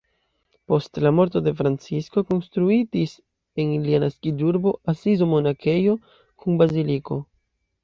Post la morto de Francisko konstruitis en lia naskiĝurbo Asizo monakejo kun baziliko.